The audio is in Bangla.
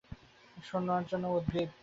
শোনার জন্য উদগ্রীব।